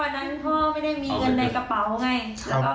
พ่อไปกดมาขึ้น